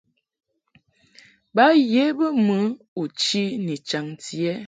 Ba ye bə mɨ u chi ni chaŋti ɛ ?